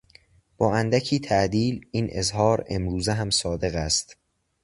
با اندکی تعدیل این اظهار امروزه هم صادق است.